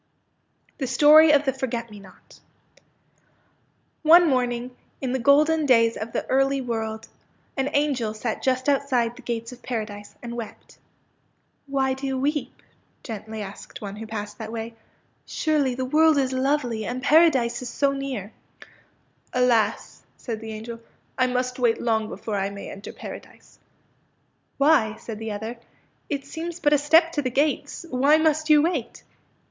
THE STORY OP THE FORGET ME NOT One morning, in the golden days of the early world, an angel sat just outside the gates of Paradise, and wept. '^ Why do you weep? " gently asked one who passed that way. " Surely the world is lovely, and Paradise is so near! "'' Alas! " said the angel, '' I must wait long before I may enter Paradise." ^^ Why," said the other, '^ it seems but a step to the gates. Why must you wait?